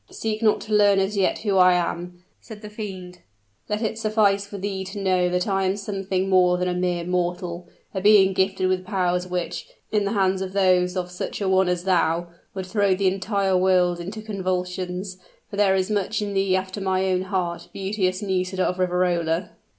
"Seek not to learn as yet who I am," said the fiend. "Let it suffice for thee to know that I am something more than a mere mortal a being gifted with powers which, in the hands of such a one as thou, would throw the entire world into convulsions; for there is much in thee after my own heart, beauteous Nisida of Riverola."